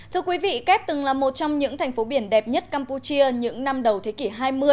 thưa quý vị kép từng là một trong những thành phố biển đẹp nhất campuchia những năm đầu thế kỷ hai mươi